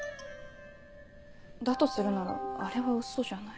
だとするならあれはウソじゃない？